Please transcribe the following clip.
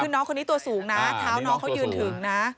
คือน้องคนนี้ตัวสูงนะเท้าน้องเขายืนถึงนะ